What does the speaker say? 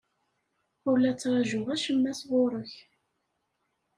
Ur la ttṛajuɣ acemma sɣur-k.